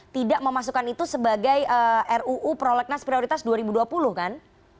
tidak memasukkan itu sebagai ruu prolegnas prioritas dua ribu dua puluh kan